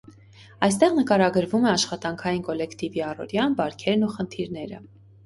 Այստեղ նկարագրվում է աշխատանքային կոլեկտիվի առօրյան, բարքերն ու խնդիրները։